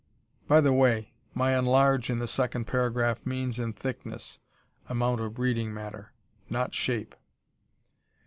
By the way, my "enlarge" in the second paragraph means in thickness (amount of reading matter), not shape.